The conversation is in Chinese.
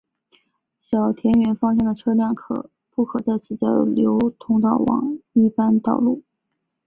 小田原方向的车辆不可在此交流道前往一般道路。